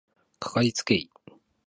かかりつけ医